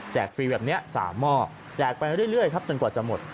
ฟรีแบบนี้๓หม้อแจกไปเรื่อยครับจนกว่าจะหมด